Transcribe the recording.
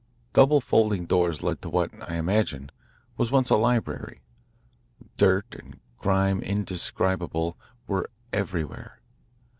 Double folding doors led to what, I imagine, was once a library. Dirt and grime indescribable were everywhere.